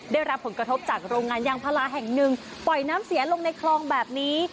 ได้รับผลกระทบจากโรงงานยางพาราแห่งหนึ่งปล่อยน้ำเสียลงในคลองแบบนี้